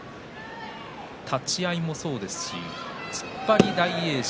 立ち合いもそうですし突っ張り大栄翔。